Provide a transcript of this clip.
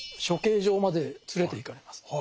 処刑場まで連れていかれます。